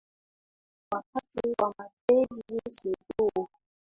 Wakati wa mapenzi si huu.